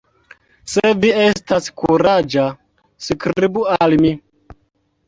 Se vi estas kuraĝa, skribu al mi!